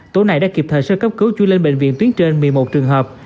tối nay đã kịp thời sơ cấp cứu chui lên bệnh viện tuyến trên một mươi một trường hợp